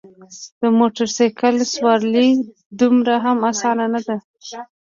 د موټرسایکل سوارلي دومره هم اسانه نده.